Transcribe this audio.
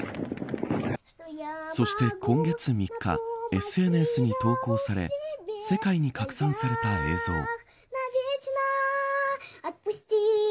そして今月３日ＳＮＳに投稿され世界に拡散された映像。